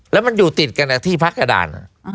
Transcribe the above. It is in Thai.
แล้วมันอยู่ติดกันที่พักกระดาน